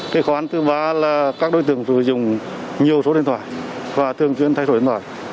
khó khăn thứ ba là các đối tượng sử dụng nhiều số điện thoại và thường chuyên thay đổi điện thoại